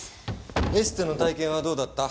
エステの体験はどうだった？